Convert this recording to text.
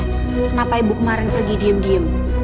kenapa ibu kemarin pergi diem diem